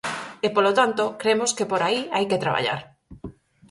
E, polo tanto, cremos que por aí hai que traballar.